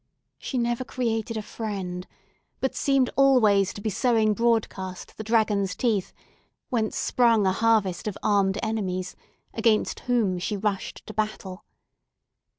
She never created a friend, but seemed always to be sowing broadcast the dragon's teeth, whence sprung a harvest of armed enemies, against whom she rushed to battle.